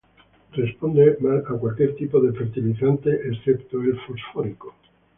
Responde mal a cualquier tipo de fertilizante excepto el fosfórico.